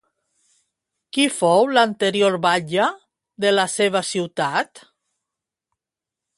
Qui fou l'anterior batlle de la seva ciutat?